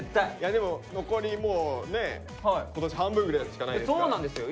でも残りもうね今年半分ぐらいしかないですから。